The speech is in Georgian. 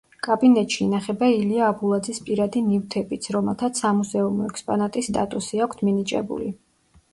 კაბინეტში ინახება ილია აბულაძის პირადი ნივთებიც, რომელთაც სამუზეუმო ექსპონატის სტატუსი აქვთ მინიჭებული.